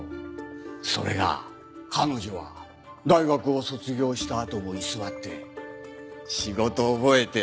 それが彼女は大学を卒業したあとも居座って仕事を覚えて。